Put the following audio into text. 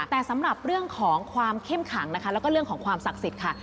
แต่สำหรับเรื่องของความเข้มขังนะคะแล้วก็เรื่องของความศักดิ์สิทธิ์ค่ะ